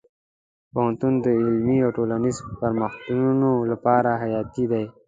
پوهنتون د علمي او ټولنیزو پرمختګونو لپاره حیاتي دی.